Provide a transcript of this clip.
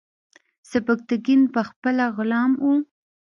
سبکتیګن پخپله غلام و.